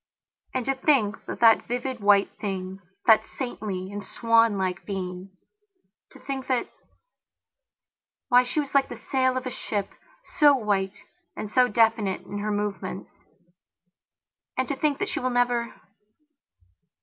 And to think that that vivid white thing, that saintly and swanlike beingto think that... Why, she was like the sail of a ship, so white and so definite in her movements. And to think that she will never...